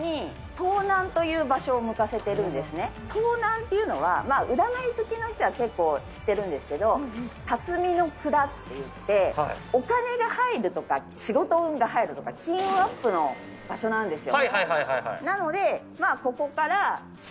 東南っていうのは占い好きの人は知っているんですけど巽の蔵っていって、お金が入るとか仕事が入るとか、金運アップのものなんですよ。